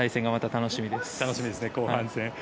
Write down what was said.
楽しみですね、後半戦。